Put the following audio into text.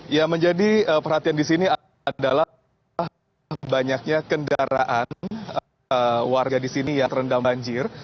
ya menjadi perhatian di sini adalah banyaknya kendaraan warga di sini yang terendam banjir